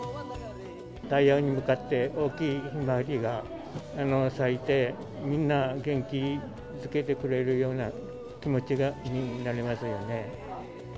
太陽に向かって大きいひまわりが咲いて、みんな元気づけてくれるような気持ちになりますよね。